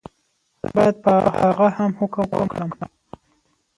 زه باید په هغه هم حکم وکړم.